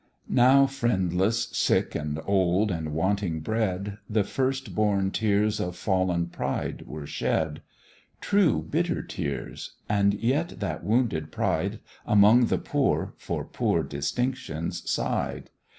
Now friendless, sick, and old, and wanting bread, The first born tears of fallen pride were shed True, bitter tears; and yet that wounded pride, Among the poor, for poor distinctions sigh'd.